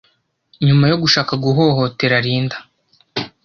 nyuma yo gushaka guhohotera Linda